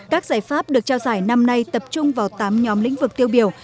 các giải pháp được trao giải năm nay tập trung vào tám nhóm lĩnh vực tiêu biểu